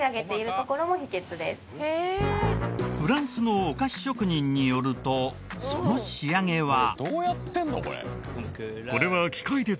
フランスのお菓子職人によるとその仕上げは。